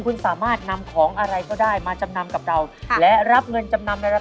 ไข่ของสำเร็จ